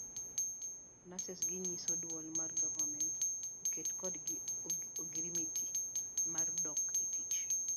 Nurses ginyiso duol mar governors oket kokgi e ogirimiti mar dok etich.